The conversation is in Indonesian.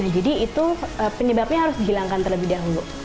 jadi penyebabnya harus dihilangkan terlebih dahulu